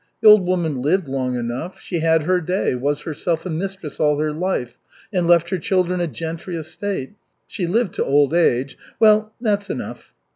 The old woman lived long enough. She had her day was herself a mistress all her life, and left her children a gentry estate. She lived to old age well that's enough."